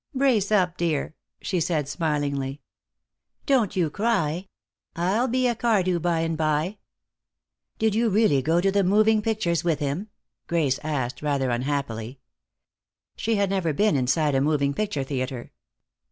"Brace up, dear," she said, smilingly. "Don't you cry. I'll be a Cardew bye and bye." "Did you really go to the moving pictures with him?" Grace asked, rather unhappily. She had never been inside a moving picture theater.